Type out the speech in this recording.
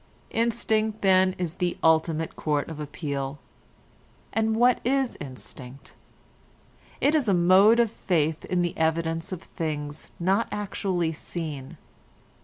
Instinct then is the ultimate court of appeal. And what is instinct? It is a mode of faith in the evidence of things not actually seen.